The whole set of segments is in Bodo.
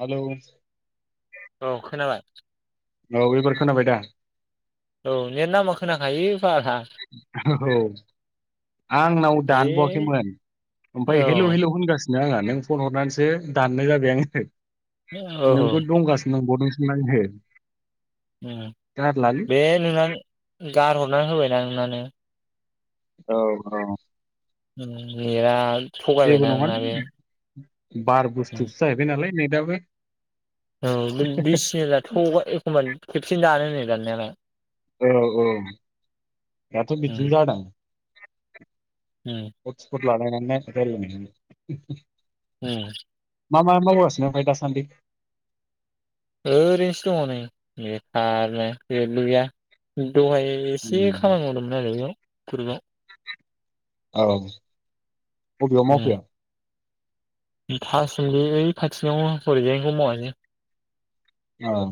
हेलौ? औ खोनाबाय? औ एबार खोनाबायदा? औ नेट नांबा खोनाखायो। बारा औ। आंनाव ओइ दानबावाखैमोन। औ ओमफाय हेलौ हेलौ होनगासि नो आङो। नों फन हरनानैसो दाननाय जाबाय आङो। औ नोंखौ दंगासिनो नंबावदोंसो [unintelligible] बे नोंनानो गारहरनानै होबायना नोंनानो। औ औ। [unintelligible] जेबो थगायबायना नोंना बे। नङालै बार उम बुस्थुसो जाहैबाय नालाय नेटआबो। औ बे बिस [unintelligible] थगा एखमबा खेबसेनो दानोनो दाननायालाय। औ औ दाथ' उम बिदिनो जादों। [inaudible] [unintelligible] [inaudible] मा मा मावगासिनो ओमफाय दासान्दै? ओरैनोसो दङ नै बेखारनो जेबो गैया। दहाय एसे खामानि मावदोंमोन आरो बेयाव थुरुबाव। औ अबेयाव मावफैया? थासोमलि ओइ खाथिनियाव हरैजायनिखौ मावासै। ओं।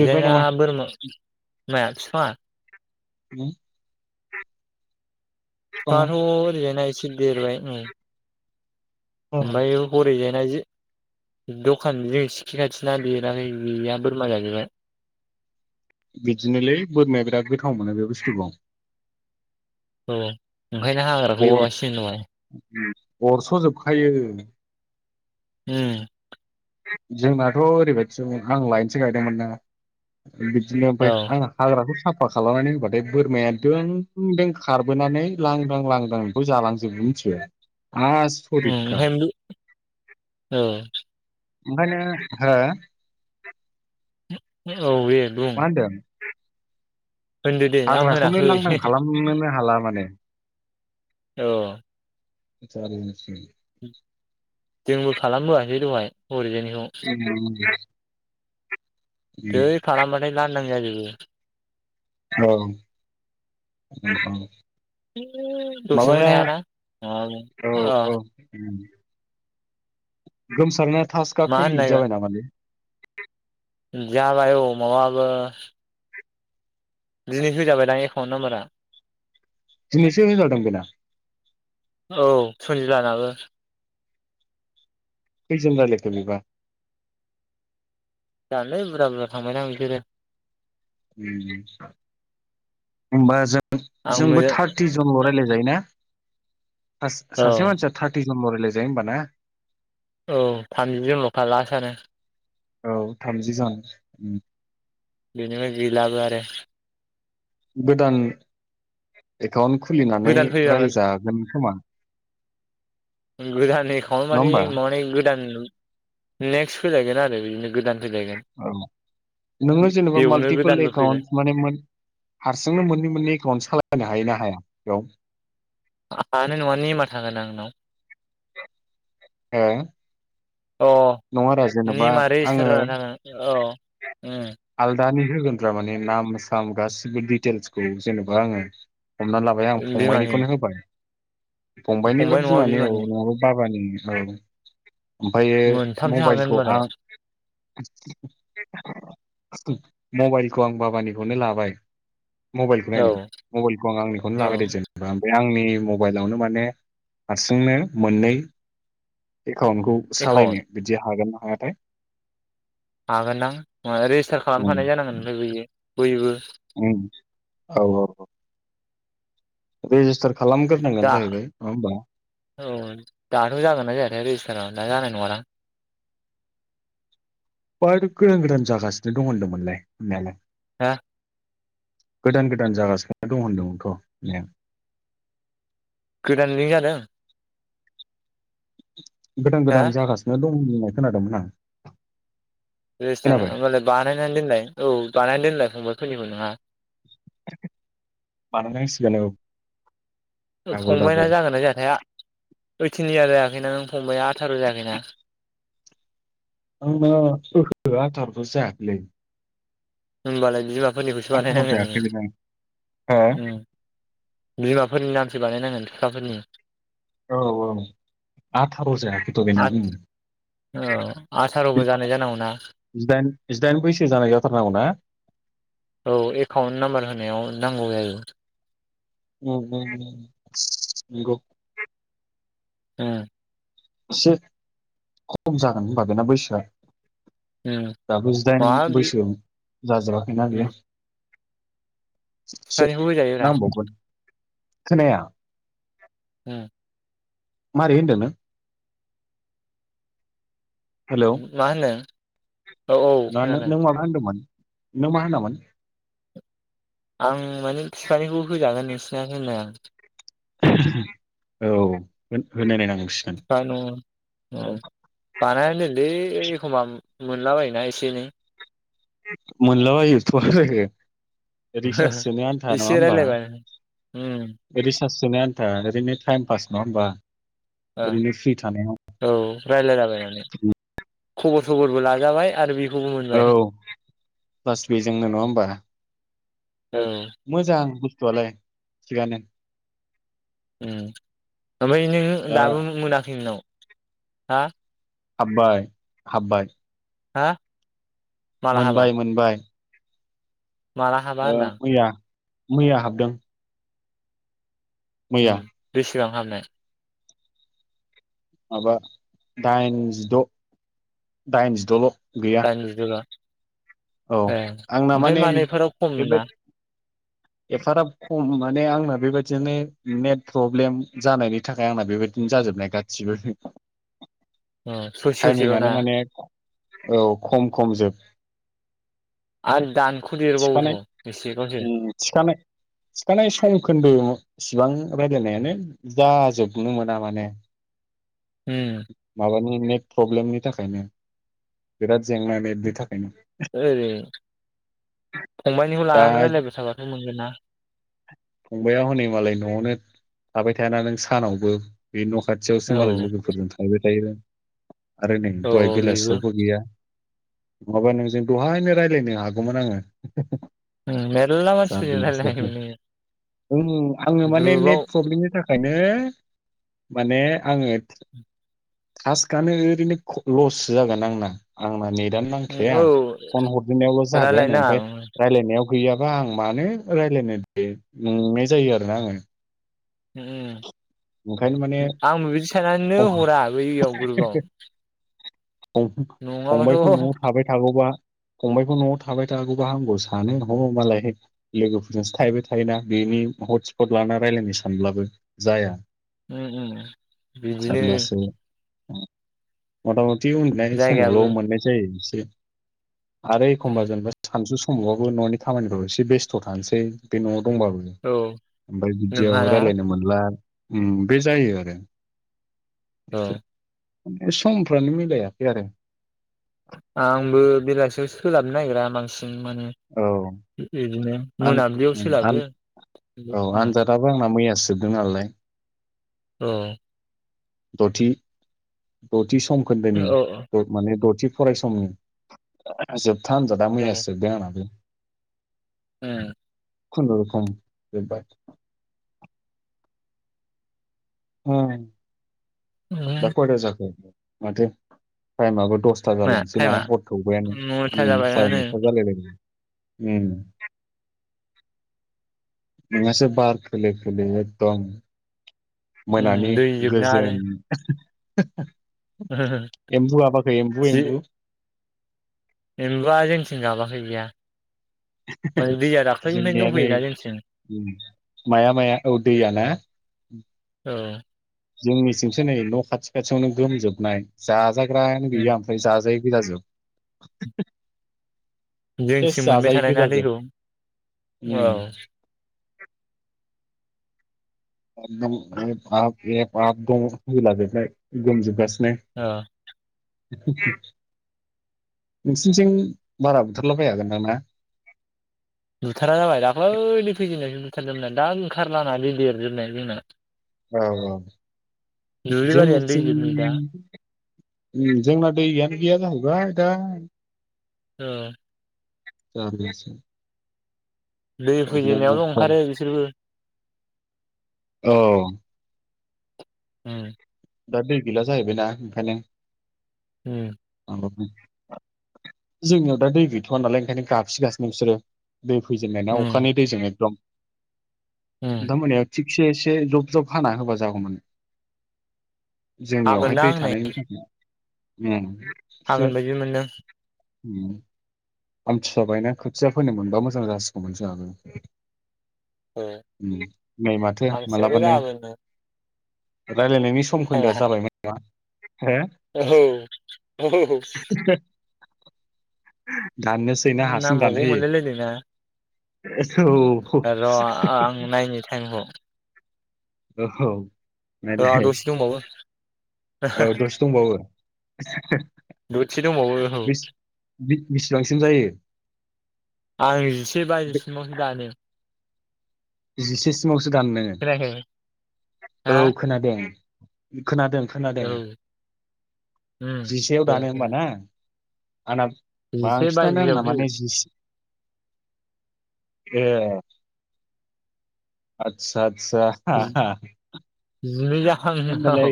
देरबाय नामा बोरमा, माया बिफाङा? [inaudible] फिफाङाथ' ओरैजायना एसे देरबाय औ। औ ओमफाय हरैजायना जे दखान जे सिखि खाथिना बेना नै गैया बोरमा जाजोबबाय। बिदिनोलै बोरमाया बिराद गोथाव मोनो बे बुस्थुखौ। औ। ओंखायनो हाग्राखौ एवासै [unintelligible] अरस' जोबखायो। उम। जोंनाथ' ओरैबादिसोमोन आं लायनसे गायदोंमोन ना। बिदिनो ओमफाय औ आं हाग्राखौ साफ फा खालामनानै रोबाथाय बोरमाया दों दों खारबोनानै लांदां लांदां बेखौ जालांजोबो मि थियो उम आस'रिथखा। ओंखायनो औ ओंखायनो, हो? औ बेे बुं। मा होनदों होनदो दे आं हाग्राखौनो होनाखै लांदां खालामनोनो हाला माने। औ। [unintelligible] जोंबो खालामबोआसै दहाय। हरैजायनिखौ [inaudible] दैै खालामबाथाय लानदां जाजोबो। औ। उम अह। दसेबो माबाया थायाना औ अ औ। गोमसारना टास्कआ मा होननो कमप्लिट जाबाय नागिरदों नामालै? जाबाय औ माबाबो दिनै होजाबायदां एकाउन्ट नाम्बारा। दिनैसो होजादों बिना। औ [unintelligible] [unintelligible] जानोलै बुरजा बुरजा थांबायदां बिसोरो। उम। होनबा आं जोंबो मोजां थारटि जनल' रायलाय जायो ना? औ सासे मानसिया थार्टि जनल रायलाय जायो होनबा ना? औ थामजि जनलखा लासानो औ थामजि जन ओम बेनि [unintelligible] गैलाबो आरो गोदान एकाउन्ट खुलिनानै गोदान फैबामोन रायजागोन खोमा गोदान एकाउन्ट नङा मानि होमबा माने गोदान नेक्स्ट फैलायगोन आरो बिदिनो गोदान फैलायगोन औ नोङो जेनेबा बेयावनो माल्टिपोल गोदानबो फैगोन एकाउन्ट माने मोन हारसिंनो मोननै मोननै एकाउन्ट सालायनो हायो ना हाया बेयाव? हानाय नङा नेमा थागोन ना [unintelligible] उम अ नेमा आङो रेजिस्टार जानानै थागोन औ उम आलदानि होगोनब्रा मानि नाम साम गासिबो दिडिटेल्सखौ जेनेबा आङो हमना लाबाय आं बिमानि फंबायाइनिखौनो होबाय फंबायनिबो फंबाय नङा बिमानि औ नङाबो बाबानि औ ओमफायो मोनथामसो हागोन मबाइलखौ होनबालाय आं मबाइलखौ आं बाबानिखौनो लाबाय मबाइलखौ औ मबाइलखौ आं आंनिखौनो औ लाबायदे जेनेबा [unintelligible] आंनि मबाइलावनो माने हारसिंनो मोननै एकाउन्टखौ एकाउन्ट सालायनो बिदि हागोन ना हायाथाय? हागोनदां रेजिस्टार खालामखानाय जानांगोन ओमफ्राय बयो बयबो ओम औ औ रेजिस्टार खालामग्रोनांगोन दा जाहैबाय नङा होमबा औ दाथ' जागोना जायाथाय रेजिस्टारा दा जानाय नङादां [unintelligible] गोदान गोदान जागासिनो दं होनदोंमोनलाय होननायालाय। हा गोदान गोदान जागासिनो दं होनदोंमोनथ' [unintelligible] गोदाननै जादों गोदान हा गोदान जागासिनो दं होननाय खोनादोंमोन आं रेजिस्टारा खोनाबाय होमबालाय बानायनानै दोनलाय औ बानायनानै दोनलाय फंबायफोरनिबो नोंहा बानाय नांसिगोन औ डाबल फंबायना डाबल जागोन ना जायाथाय ओइटिन इयार जायाखैना नों फंबाया आथार' जायाखैना [unintelligible] होमबालाय बिमाफोरनिखौसो आथार' बानायनांगोन नोङो जायाखै बेना हो ओम बिमाफोरनि नामसो बानायनांगोन [unintelligible] औ औ आथार' जायाखैथ' बेना आ उम औ आथार'बो जानाय जानांगौना जिदाइन जिदाइन बैसो जानाय जाथारनांगौ ना? औ एकाउन्ट नाम्बार होनायाव नांगौ जायो। [unintelligible] ओम एसे खम जागोन होनबा बेना बैसोआ उम दाबो मा जिदाइन बि बैसो जाजोबाखैना बेयो एसे सायाव होजायोब्रा नांबावगोन खोनाया [unintelligible] ओ मारै होनदों नों हेलौ मा होनो ना नों माबा होनदोंमोन नों मा होनामोन आं माने फिफानिखौ होजागोन नोंसिना होनोया [unintelligible] औ होन होनाय नायनांगोन [unintelligible] बानायनोलै ओइ एखमबा मोनलाबायोना एसे एनै मोनलाबायोथ' आरो रिसास सोनो आन्था नङा एसे होमबा रायलायबानो उम रिस सास सोनो आन्था ओरैनो थाइम फास नङा होमबा औ ओरैनो फ्रि थानायाव औ रायलायला बायनानै खबर सबरबो लाजाबाय आरो बे औ प्लास बेजोंनो नङा होमबा औ मोजां बुस्थुआलाय थिगानो उम ओनफाय नों दा दाबो मोनाखै ओंनाव हा हाबबाय हाबबाय हा माला हाबा मोनबाय मोनबाय माला हाबा अ होनदां मैया मैया हाबदों मैया उम बेसेबां हाबनाय माबा दाइनजिद' दाइनजिद'ल' गैया दाइनजिद'बा औ ए आंना ओमफाय माने मानो एफाराव खम नोंना बेबायदि [inaudible] एफाराब खम माने आंना बेबायदिनो नेट फ्रब्लेम जानायनि थाखाय आंना बेबायदिनो जा जाजोबनाय गाससिबो [inaudible] ससे ससेल' थाइमिंआनो ना माने औ खम खम जोब आरो दानखु देरबावोथ' थिखानाय बेसेबांसो सिखानाय सम खोन्दो [unintelligible] इसिबां रायलायनायानो जाजोबनो मोना माने उम माबानि नेट प्रब्लेमनि थाखायनो बिराद जेंना नेटनि थाखायनो [unintelligible] ओरै फंबाइनिखौ दा लानानै रायलायबाय थाबाथ' मोनगोन ना फंबाया हनै मालाय न'आवनो थाबाय थायाना नों सानावबो बे न' खाथियावसो मालाय औ लोगोफोरजों थांबाय थायो आरो नै औ दहाय बेबो बेलासियावबो गैया नङाबा नोंजों दहायनो रायलायनो हागौमोन आङो [unintelligible] उम मेरला मानसिफोरजों जारलासो रायलायनोमोन नोङो [unintelligible] आङो माने ग्रुपाव नेट फ्रब्लेमनि थाख खायनो माने आङो थास्क आनो ओरैनो [unintelligible] लससो जागोन आंना आंना नेट दानो उम नांखाया औ फन हरग्रोनायावल' जागोन रायलायनाङा ओमफाय उम रायायनायाव गैयाबा आं मानो रायलायनो दे [unintelligible] जायो आरोना आङो [unintelligible] ओंखायनो माने उम आं बिबायदि साननानैनो हरा बैयाव ग्रुपआव [unintelligible] फंबायखौ न'आव थाबाय थागौबा फंबायखौ न'आवथ थाबाय थागौबा हामगौ सानो ह' मालाय लोगोफोरजोंसो थाहैबाय थायोना बेनि हट स्पट ला ना रायलायनो सानब्लाबो जाया। उम उम बिदिनो। जारलासो मथा मथि उन्दुनाय जायगायाबो समावल' मोननाय जायो इसे। आरो एखमबा उम जेनेबा सानजु समावबाबो न'नि खामानिफ्राव एसे बेस्थ' थानोसै बे न'आव दंबाबो औ ओमफ्राय बिदियाव नोंहाना रायलायनो मोनला उम बे जायो आरो। औ [unintelligible] ओमफ्राय समफ्रानो मिलायाखै आरो आंबो बेलासियाव सोलाबनो नागिरा बांसि जों माने औ बिदिनो आं मोनाबिलियाव उम आं सोलाबो। औ उम आनजादाबो आंना मैयासो जोबदों नालाय। औ। दथि दथि औ समखोन्दोनि औ दं माने दथि फरायसम जोबथा आनजादा मैयासो जोबदों आंनाबो ओ खनुरखम जोबबाय। दा उम खयथा जाखो माथो टाइमाबो द सथा मा जालायनोसै ना टाइमा हर थौबायानो नथा ओम जाबायानो जानायाथ जालायबाय आनो उम। नोंङासो बार खोलो खोलो एकदम। मोनानि उम दै जोबना आरो गोजोन एम्बु गाबाखै एम्बु एम्बु? एम्बुआ जोंनिथिं गााबाखै गैया। माने दैया दाख्लैनिफ्रायनो जोंनिया नै दंफैयोना जोंथिं ओम माया माया औ दैयाा ना? औ। जोंनिथिंसो नै न' खाथि खाथियावनो गोमजोबनाय जाजाग्रायानो गैया ओमफ्राय जाजायि गोजा जोब। जोंनिथिं मोननो थानाय नानै रुम औ उम, [unintelligible] अ दं एब आब एब आब दं होलाजोबनाय गोमजोबगास औ। [unintelligible] नोंसिनिथिं बारा बुथारलाबाया गोनदां ना। बुथारा जाबाय दाख्लैनो फैजेननायावसो बुथारदोमोन दा ओंखारलाना देरजोबनाय जोंना ओ औ दुब्लि बारियानो जोंनिथिं दैजोब नै दा ओम जोंना दैैयानो गैया जाहैबाय दा औ जामबिसो दै फैजेननायावल' ओंखारो बिसोरबो औ ओम दा दै गैला जाहैबायना ओंखायनो। हम अ ओम जोंनियाव दा दै गैथ'वा नालाय ओंखायनो गाबसिगासिनो बिसोरो दै फैजेननायना उम अखानि दैजों एकदम। उम दा मोनायाव थिगसे एसे जब जब हाना होबा जागौमोन। जोंनियावहाय हागोनदां दै नै थानायनि थाखाय ओम हागोन बायदि मोनदों। ओम आमथि सुवा बायना खोथिया फोनो मोनबा मोजां जासिगौमोन जोंहाबो। औ ओम नै माथो आमथिसुवायाथ' मालाबानो। जागोननो रायलायनायनि समखोन्दोआ टाइमा जाबायमोनना औ औ [unintelligible] हो [unintelligible] दाननोसैना हारसिं नामावबो दानहोयो। मोनलायलायदोंना र' आं नायनि टाइमखौ [inaudible] औ दा नायलाय दसे दंबावो। औ दसे दंबावो दसे दंबावो औ [inaudible] बेसे बांसिम जायो? आं जिसे बाजि सिमावसो दानो जिसे सिमावसो दानो नोङो खोनायाखै औ हा खोनादों। खोनादों। खोनादों औ उम जिसेयाव दे दानो होमबा ना आंना जिसे बांसिनानो आंना बाजियावसो माने जिस ए आतसाद सा [inaudible] जिनै जाखागोन नोंनाव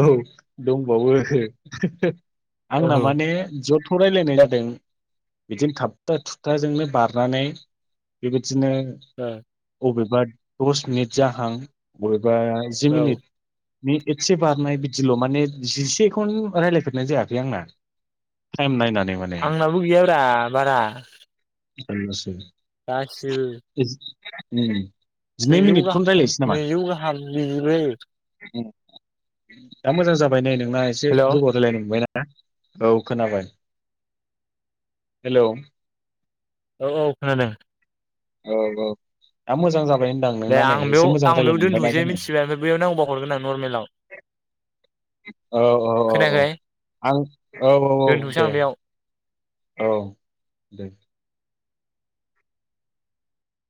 औ दंबावो [inaudible] आंना औ माने जेब खौ रायलायनाय जादों बिदिनो थाबथा थुबथाजोंनो बारनानै बेबायदि दिनो अबेबा दस मिनिट जाहां बा जि औ मिनिट बे एसे बारनाय बिदिल' माने जिसेखौनो रायलायफेरनाय जायाखै आंना टाइम नायना आंनाबो गैयाब्रा बारा जारलासो। गासिबो। उम जिनै सेजौ मिनिटखौनो गाहाम रायलायनोसै नामा? नैजौ गाहाम बिदिबो जायो दा मोजां जाबाय नै नोंना एसे हेल' औ गोबाव रायलायनो मोबायना। औ खोनाबाय हेलौ औ औ खोनादों। औ औ दा मोजां जाब बाय होनदां दे नोंनानै आं बेयाव एसे मोजां आं बेयाव रायलायनो मोनबायना दोनथ'सै जोङो मिथिबाय ओमफ्राय बैयाव नांगौबा हरगोन आं नर्मेलाव औ औ औ औ खोनायाखै आं औ औ औ दोनथ'सै दे आं बेयाव औ दे